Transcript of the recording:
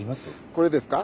これですか？